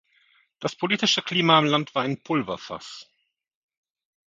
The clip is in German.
Das politische Klima im Land war ein Pulverfass.